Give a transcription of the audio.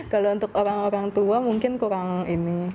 kalau untuk orang orang tua mungkin kurang ini